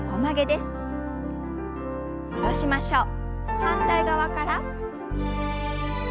反対側から。